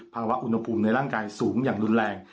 ภาวะอุณหภูมิในร่างกายสูงอย่างรุนแรง